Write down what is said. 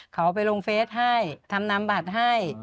เขาไปลงเฟสให้ทำนำบัตรให้